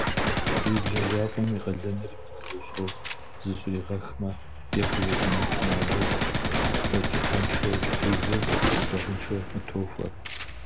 Зы бжьэ закъуэм и къалэныр имыгъэзащӀэу зыщӀригъэхмэ е хузэфӀэмыкӀмэ, абы фӀэкӀыпӀэншэу тезыр гущӀэгъуншэ къытохуэр.